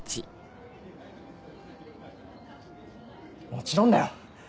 もちろんだよ。